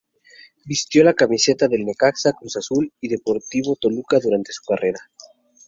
Vistió la camiseta del Necaxa, Cruz Azul y Deportivo Toluca durante su carrera.